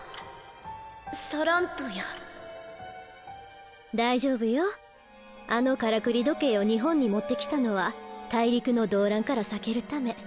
サラントヤ大丈夫よあのからくり時計を日本に持って来たのは大陸の動乱から避けるため。